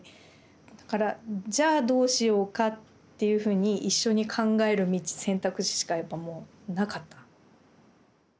だから「じゃあどうしようか」っていうふうに一緒に考える道選択肢しかやっぱもうなかった。